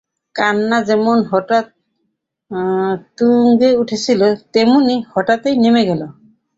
কান্না যেমন হঠাৎ তুঙ্গে উঠেছিল, তেমনি হঠাৎই নেমে গেল।